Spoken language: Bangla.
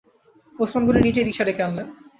ওসমাস গনি নিজেই রিকশা ডেকে আনলেন।